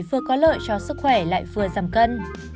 vừa có lợi cho sức khỏe lại vừa giảm cân